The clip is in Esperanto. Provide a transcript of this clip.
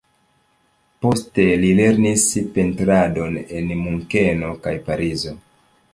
Poste li lernis pentradon en Munkeno kaj Parizo.